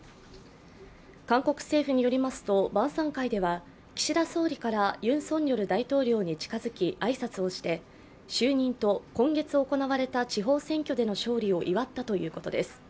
韓国政府によりますと晩さん会では岸田総理からユン・ソンニョル大統領に近づき挨拶をして就任と今月行われた地方選挙での勝利を祝ったということです。